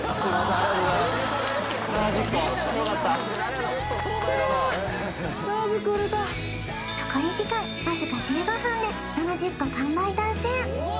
ありがとうございます７０個よかった残り時間わずか１５分で７０個完売達成